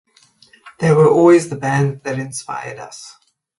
They were always the band that inspired us.